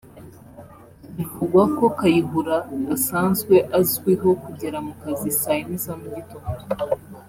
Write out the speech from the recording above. Bivugwa ko Kayihura asanzwe azwiho kugera mu kazi saa yine za mugitondo